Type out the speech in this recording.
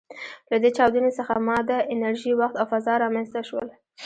له دې چاودنې څخه ماده، انرژي، وخت او فضا رامنځ ته شول.